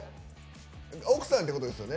奥さんってことですよね。